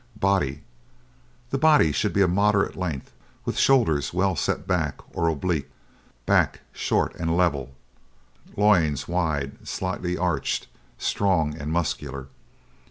BODY The body should be of moderate length, with shoulders well set back or oblique; back short and level; loins wide, slightly arched, strong and muscular.